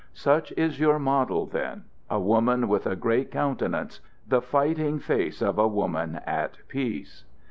Such is your model, then, a woman with a great countenance; the fighting face of a woman at peace.